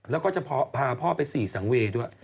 แล้วก็จะพาพ่อไปสี่สังเวย์ด้วย